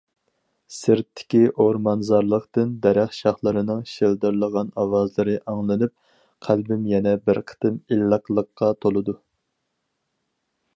سىرتتىكى ئورمانزارلىقتىن دەرەخ شاخلىرىنىڭ شىلدىرلىغان ئاۋازلىرى ئاڭلىنىپ، قەلبىم يەنە بىر قېتىم ئىللىقلىققا تولىدۇ.